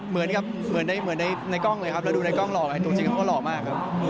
เหมือนกับเหมือนในกล้องเลยครับเราดูในกล้องหล่อไงตัวจริงเขาก็หล่อมากครับ